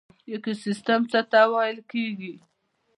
ایکوسیستم څه ته ویل کیږي